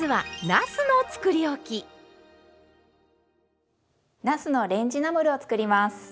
なすのレンジナムルを作ります。